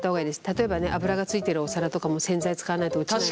例えばね油がついてるお皿とかも洗剤使わないと落ちない。